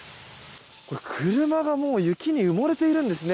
車が雪に埋もれているんですね。